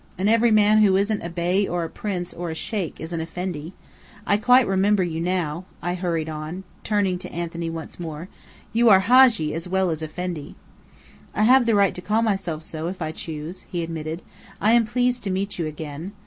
And every man who isn't a Bey or a Prince, or a Sheikh, is an Effendi. I quite remember you now," I hurried on, turning to Anthony once more. "You are Hadji as well as Effendi." "I have the right to call myself so, if I choose," he admitted. "I am pleased to meet you again.